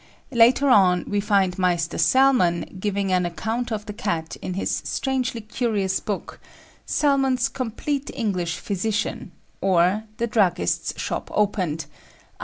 Later on we find Maister Salmon giving an account of the cat in his strangely curious book, "Salmon's Compleat English Physician; or, the Druggist's Shop Opened," A.D.